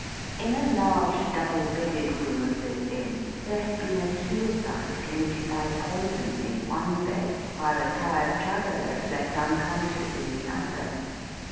In a large double bedded room of this Inn there had been a suicide committed by poison, in one bed, while a tired traveller slept unconscious in the other.